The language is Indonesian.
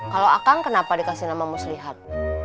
kalau akang kenapa dikasih nama muslihat